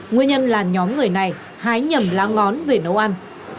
nguyên nhân là nhóm người này hái nhầm lá ngón về nấu ăn